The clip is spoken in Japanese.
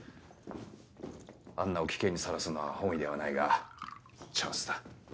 アンナを危険にさらすのは本意ではないがチャンスだ。